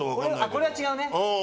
これは違うね。